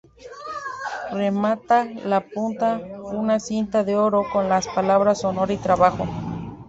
Remata la punta una cinta de oro con las palabras Honor y Trabajo.